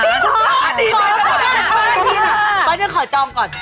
เพราะเดี๋ยวอย่างนี้นะก๊อนเดี๋ยวขอจอมก่อน